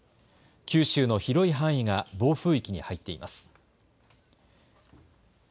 九州の広い範囲が暴風域に入っています。